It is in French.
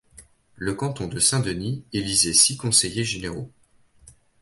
Le canton de Saint-Denis élisait six conseillers généraux.